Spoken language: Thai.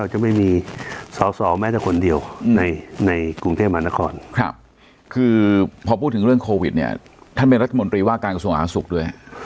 หน้าคนเดียวในกรุงเทพมหานครครับคือพอพูดถึงเรื่องโควิดเนี่ยท่านเป็นรัฐมนตรีว่ากันกระทรวงศาสุขด้วย